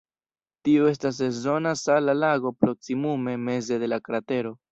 Tio estas sezona sala lago proksimume meze de la kratero.